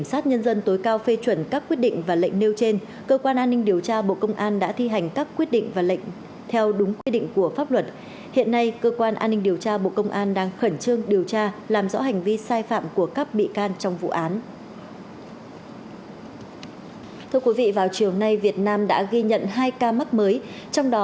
xin chào quý vị và các bạn